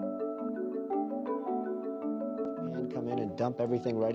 hanaanya adalah mem quella akan menjadi yang terbaik